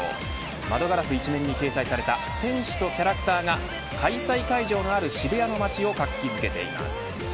窓ガラス一面に掲載された選手とキャラクターが開催会場のある渋谷の街を活気づけています。